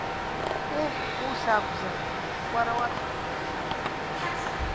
Еҳ, ус акәзар, уара уацәажәара иаԥсамзаап.